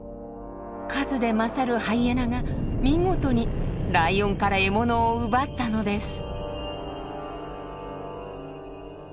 数で勝るハイエナが見事にライオンから獲物を奪ったのです。